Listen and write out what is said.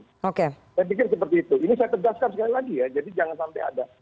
saya pikir seperti itu ini saya tegaskan sekali lagi ya jadi jangan sampai ada